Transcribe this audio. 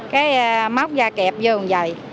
cái móc ra kẹp vô như vậy